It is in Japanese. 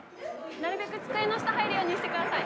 なるべく机の下入るようにして下さい。